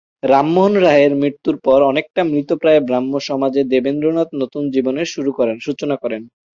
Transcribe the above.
রামমোহন রায়ের মৃত্যুর পর অনেকটা মৃতপ্রায় ব্রাহ্ম সমাজে দেবেন্দ্রনাথ নতুন জীবনের সূচনা করেন।